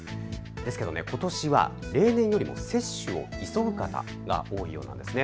ですけど、ことしは例年より接種を急ぐ方が多いようです。